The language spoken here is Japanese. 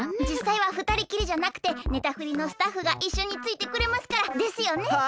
じっさいは二人きりじゃなくてネタフリのスタッフがいっしょについてくれますから。ですよね？